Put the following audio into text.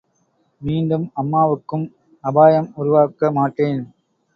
மீண்டும் அம்மாவுக்கும் அபாயம் உருவாக்க மாட்டேன்.